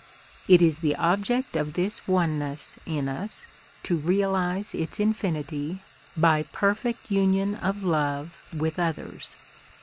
It is the object of this Oneness in us to realise its infinity by perfect union of love with others.